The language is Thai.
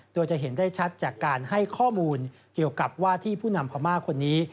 โดยจะเห็นได้ชัดจากการให้ข้อมูลเกี่ยวกับว่าที่ผู้นำพม่าคนนี้